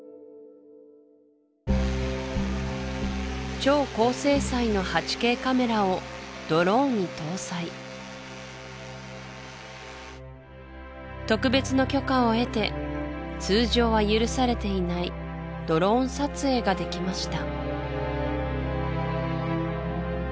超高精細の８Ｋカメラをドローンに搭載特別の許可を得て通常は許されていないドローン撮影ができました